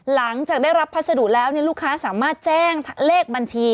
หลังจากได้รับพัสดุแล้วลูกค้าสามารถแจ้งเลขบัญชี